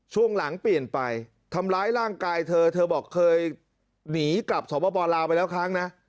ช่วงหลังเปลี่ยนไปทำร้ายร่างกายเธอเธอบอกเคยหนีกลับสวบปลาวไปแล้วครั้งนะ